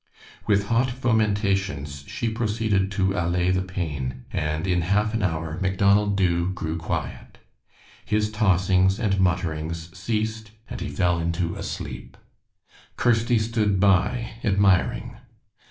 With hot fomentations she proceeded to allay the pain, and in half an hour Macdonald Dubh grew quiet. His tossings and mutterings ceased and he fell into a sleep. Kirsty stood by admiring.